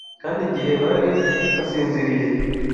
kandi igihe bari basinziriye